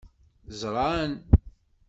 Ẓran.